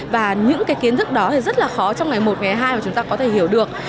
và những cái kiến thức đó thì rất là khó trong ngày một ngày hai mà chúng ta có thể hiểu được